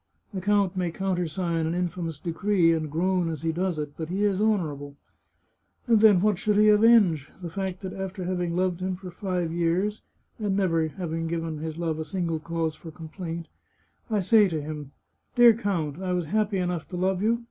The count may countersign an infamous decree, and groan as he does it, but he is honourable. And then, what should he avenge? The fact that after having loved him for five years, and never given his love a single cause for complaint, I say to him :' Dear count, I was happy enough to love you.